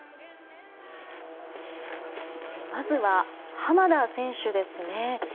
まず、浜田選手ですね。